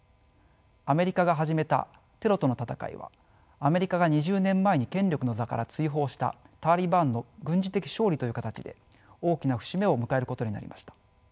アメリカが始めたテロとの戦いはアメリカが２０年前に権力の座から追放したタリバンの軍事的勝利という形で大きな節目を迎えることになりました。